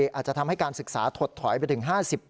อาจจะทำให้การศึกษาถดถอยไปถึง๕๐